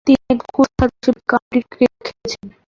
তিনি একজন স্কুল ছাত্র হিসেবে কাউন্টি ক্রিকেট খেলেছেন।